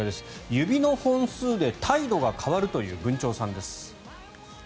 指の本数で態度が変わるというブンチョウさんです。